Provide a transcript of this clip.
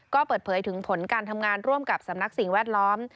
ก็เปิดเผยถึงผลการทำงานร่วมกับสำนักสิ่งแวดล้อม